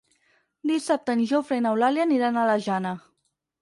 Dissabte en Jofre i n'Eulàlia aniran a la Jana.